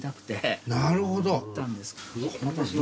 なるほど。